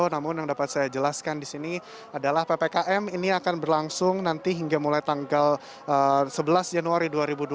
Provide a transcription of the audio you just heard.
namun yang dapat saya jelaskan di sini adalah ppkm ini akan berlangsung nanti hingga mulai tanggal sebelas januari dua ribu dua puluh